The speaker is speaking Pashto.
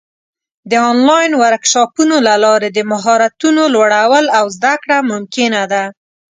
د آنلاین ورکشاپونو له لارې د مهارتونو لوړول او زده کړه ممکنه ده.